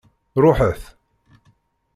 Ruḥet!